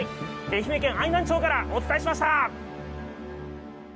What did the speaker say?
愛媛県愛南町からお伝えしました。